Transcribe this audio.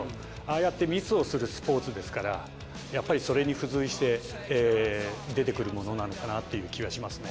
あやってミスをするスポーツですからやっぱりそれに付随して出てくるものなのかなっていう気はしますね。